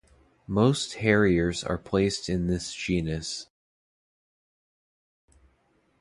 Most harriers are placed in this genus.